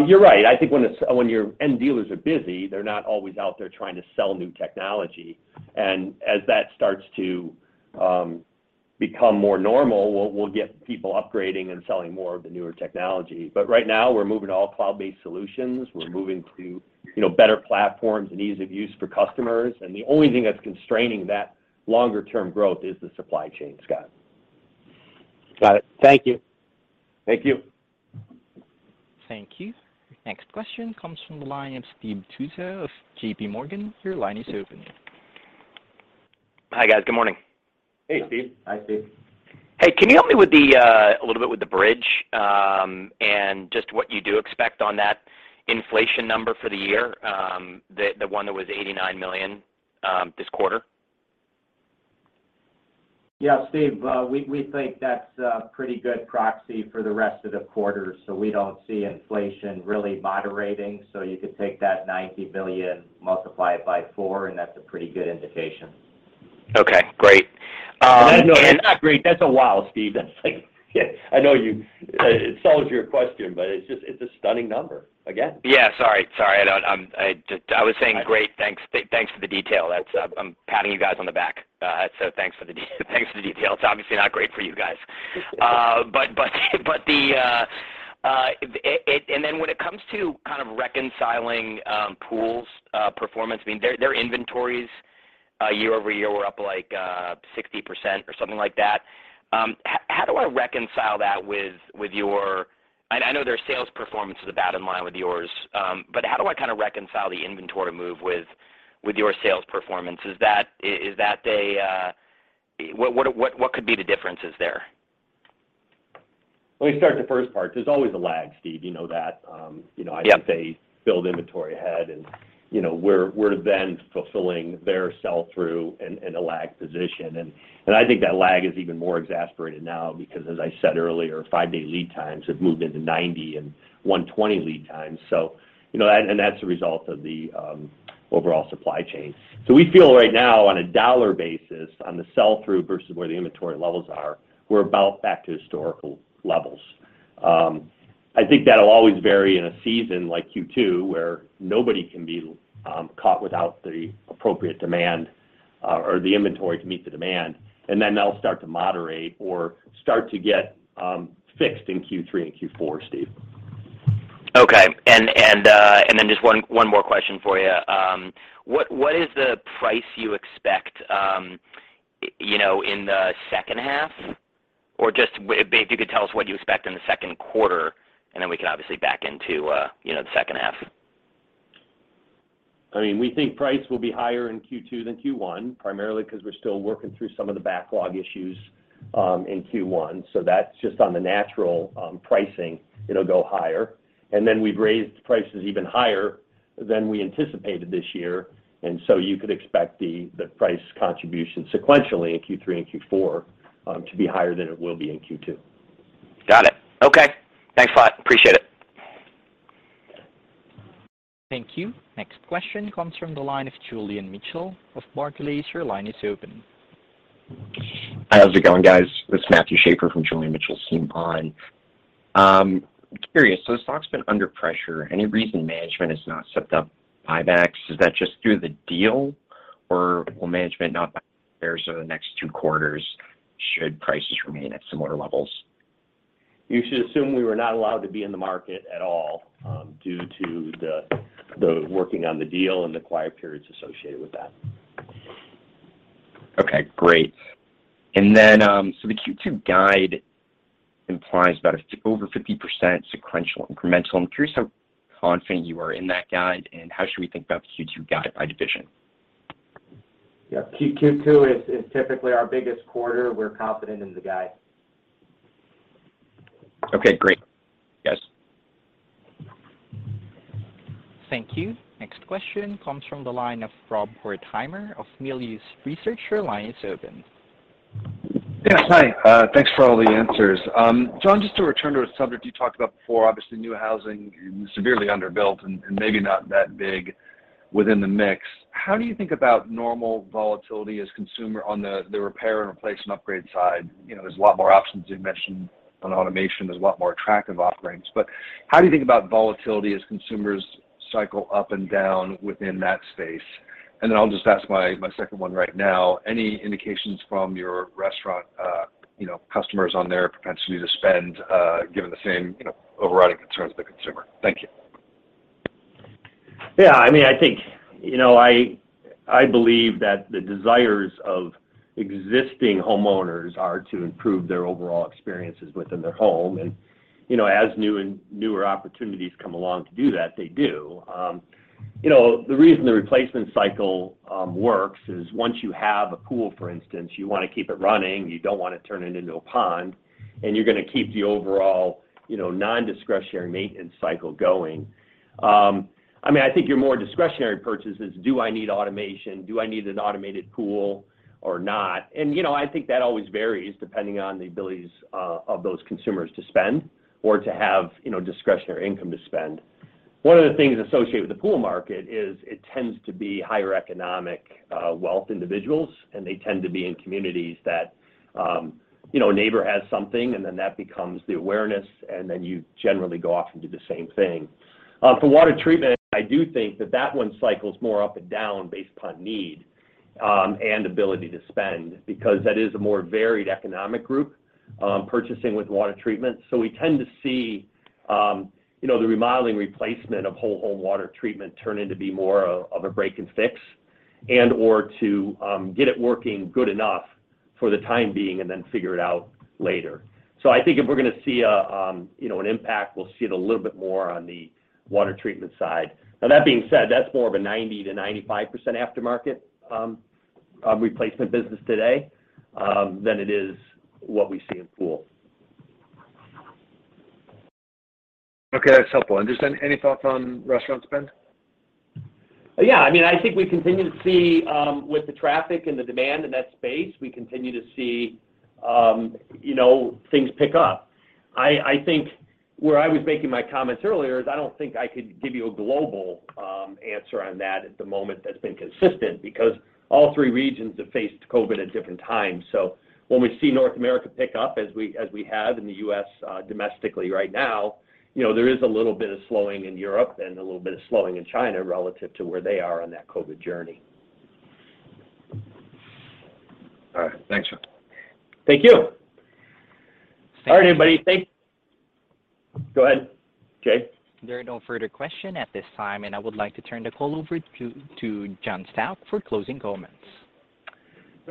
You're right. I think when your end dealers are busy, they're not always out there trying to sell new technology. As that starts to become more normal, we'll get people upgrading and selling more of the newer technology. But right now, we're moving to all cloud-based solutions. We're moving to, you know, better platforms and ease of use for customers. The only thing that's constraining that longer term growth is the supply chain, Scott. Got it. Thank you. Thank you. Thank you. Next question comes from the line of Steve Tusa of JPMorgan. Your line is open. Hi, guys. Good morning. Hey, Steve. Hi, Steve. Hey, can you help me a little bit with the bridge and just what you do expect on that inflation number for the year, the one that was $89 million this quarter? Yeah, Steve. We think that's a pretty good proxy for the rest of the quarter, so we don't see inflation really moderating. You could take that $90 billion, multiply it by four, and that's a pretty good indication. Okay, great. No, it's not great. That's a wild, Steve. That's like I know you, it solves your question, but it's just, it's a stunning number again. Sorry. I was saying great, thanks for the detail. That's, I'm patting you guys on the back. So thanks for the detail. It's obviously not great for you guys. But it when it comes to kind of reconciling Pool's performance, I mean, their inventories year-over-year were up, like, 60% or something like that. How do I reconcile that with your? I know their sales performance is about in line with yours, but how do I kind of reconcile the inventory move with your sales performance? Is that a? What could be the differences there? Let me start the first part. There's always a lag, Steve. You know that. You know Yep I'd say build inventory ahead and, you know, we're then fulfilling their sell-through in a lag position. I think that lag is even more exacerbated now because, as I said earlier, five-day lead times have moved into 90 lead times and 120 lead times. You know, that and that's a result of the overall supply chain. We feel right now on a dollar basis, on the sell-through versus where the inventory levels are, we're about back to historical levels. I think that'll always vary in a season like Q2, where nobody can be caught without the appropriate demand or the inventory to meet the demand, and then that'll start to moderate or start to get fixed in Q3 and Q4, Steve. Okay. Then just one more question for you. What is the price you expect, you know, in the second half? Or just if you could tell us what you expect in the second quarter, and then we can obviously back into, you know, the second half. I mean, we think price will be higher in Q2 than Q1, primarily 'cause we're still working through some of the backlog issues in Q1. That's just on the natural pricing, it'll go higher. We've raised prices even higher than we anticipated this year, and so you could expect the price contribution sequentially in Q3 and Q4 to be higher than it will be in Q2. Got it. Okay. Thanks a lot. Appreciate it. Thank you. Next question comes from the line of Julian Mitchell of Barclays. Your line is open. Hi. How's it going, guys? This is Matthew Shaffer from Julian Mitchell's team on the line. Curious, so the stock's been under pressure. Any reason management has not stepped up buybacks? Is that just due to the deal or will management not buy shares over the next two quarters should prices remain at similar levels? You should assume we were not allowed to be in the market at all, due to the working on the deal and the quiet periods associated with that. Okay, great. The Q2 guide implies about over 50% sequential incremental. I'm curious how confident you are in that guide, and how should we think about the Q2 guide by division? Yeah. Q2 is typically our biggest quarter. We're confident in the guide. Okay, great. Thanks, guys. Thank you. Next question comes from the line of Rob Wertheimer of Melius Research. Your line is open. Yeah, hi. Thanks for all the answers. John, just to return to a subject you talked about before, obviously new housing is severely underbuilt and maybe not that big within the mix, how do you think about normal volatility as consumer on the repair and replacement upgrade side? You know, there's a lot more options you've mentioned on automation. There's a lot more attractive offerings. But how do you think about volatility as consumers cycle up and down within that space? And then I'll just ask my second one right now. Any indications from your restaurant, you know, customers on their propensity to spend, given the same, you know, overriding concerns of the consumer? Thank you. Yeah. I mean, I think, you know, I believe that the desires of existing homeowners are to improve their overall experiences within their home, and, you know, as new and newer opportunities come along to do that, they do. You know, the reason the replacement cycle works is once you have a pool, for instance, you wanna keep it running. You don't wanna turn it into a pond, and you're gonna keep the overall, you know, nondiscretionary maintenance cycle going. I mean, I think your more discretionary purchases, do I need automation? Do I need an automated pool or not? And you know, I think that always varies depending on the abilities of those consumers to spend or to have, you know, discretionary income to spend. One of the things associated with the pool market is it tends to be higher economic wealth individuals, and they tend to be in communities that, you know, a neighbor has something, and then that becomes the awareness, and then you generally go off and do the same thing. And for water treatment, I do think that that one cycles more up and down based upon need, and ability to spend because that is a more varied economic group, purchasing with water treatment. We tend to see, you know, the remodeling replacement of whole home water treatment turn in to be more of a break and fix and/or to, get it working good enough for the time being and then figure it out later. I think if we're gonna see a you know an impact, we'll see it a little bit more on the water treatment side. Now that being said, that's more of a 90%-95% aftermarket replacement business today than it is what we see in pool. Okay. That's helpful. Just any thoughts on restaurant spend? Yeah. I mean, I think we continue to see, with the traffic and the demand in that space, we continue to see, you know, things pick up. I think where I was making my comments earlier is I don't think I could give you a global answer on that at the moment that's been consistent because all three regions have faced COVID at different times. When we see North America pick up as we have in the U.S., domestically right now, you know, there is a little bit of slowing in Europe and a little bit of slowing in China relative to where they are on that COVID journey. All right. Thanks. Thank you. All right, everybody. Go ahead, Jay. There are no further questions at this time, and I would like to turn the call over to John Stauch for closing comments.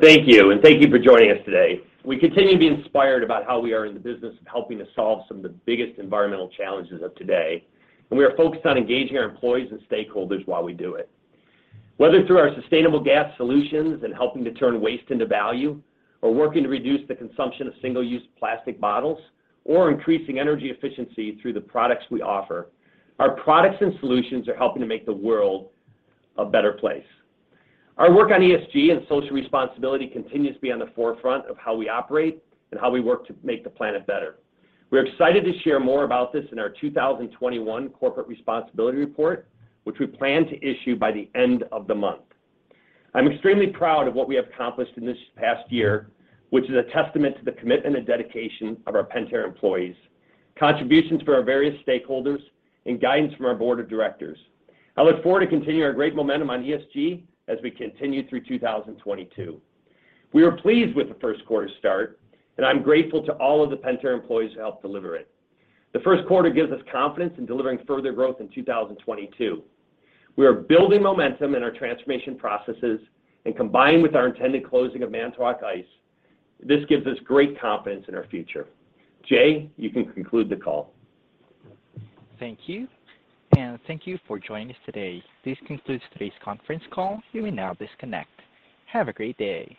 Thank you, and thank you for joining us today. We continue to be inspired about how we are in the business of helping to solve some of the biggest environmental challenges of today, and we are focused on engaging our employees and stakeholders while we do it. Whether through our sustainable gas solutions and helping to turn waste into value, or working to reduce the consumption of single-use plastic bottles, or increasing energy efficiency through the products we offer, our products and solutions are helping to make the world a better place. Our work on ESG and social responsibility continues to be on the forefront of how we operate and how we work to make the planet better. We're excited to share more about this in our 2021 corporate responsibility report, which we plan to issue by the end of the month. I'm extremely proud of what we have accomplished in this past year, which is a testament to the commitment and dedication of our Pentair employees, contributions from our various stakeholders, and guidance from our board of directors. I look forward to continuing our great momentum on ESG as we continue through 2022. We are pleased with the first quarter start, and I'm grateful to all of the Pentair employees who helped deliver it. The first quarter gives us confidence in delivering further growth in 2022. We are building momentum in our transformation processes, and combined with our intended closing of Manitowoc Ice, this gives us great confidence in our future. Jay, you can conclude the call. Thank you, and thank you for joining us today. This concludes today's conference call. You may now disconnect. Have a great day.